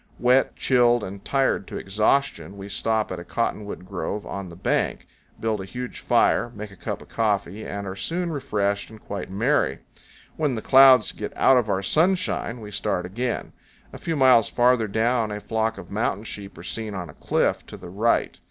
Wet, chilled, and tired to exhaustion, we stop at a cotton 126 CANYONS OF THE COLCHADO. wood grove on the bank, build a huge fire, make a cup of coffee, and are soon refreshed and quite merry. When the clouds "get out of our sunshine" we start again. A few miles farther down a flock of mountain sheep are seen on a cliff to the right.